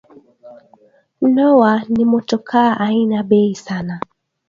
Noah ni motoka aina bei sana